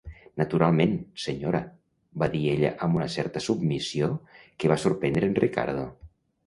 "Naturalment, senyora", va dir ella amb una certa submissió que va sorprendre en Ricardo.